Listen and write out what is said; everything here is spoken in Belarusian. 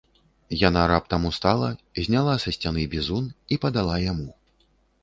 Яна раптам устала, зняла са сцяны бізун і падала яму.